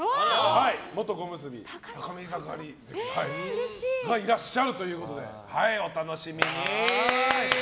元小結・高見盛さんがいらっしゃるということでお楽しみに。